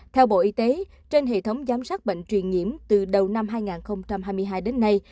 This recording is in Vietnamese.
theo bộ y tế trên hệ thống giám sát bệnh truyền nhiễm từ đầu năm hai nghìn hai mươi hai đến nay